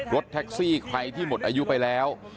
รถแท็กซี่ใครที่หมดอายุไปแล้ว